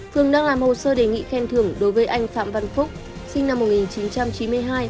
cường đang làm hồ sơ đề nghị khen thưởng đối với anh phạm văn phúc sinh năm một nghìn chín trăm chín mươi hai